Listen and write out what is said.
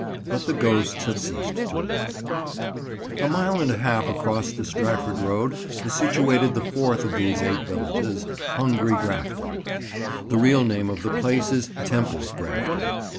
But the ghosts have ceased to walk. [Picture: "Hungry Grafton"] A mile and a half across the Stratford road, is situated the fourth of these eight villages, "Hungry" Grafton. The real name of the place is Temple Grafton.